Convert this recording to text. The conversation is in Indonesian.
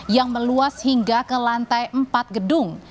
yang meluas hingga ke lantai empat gedung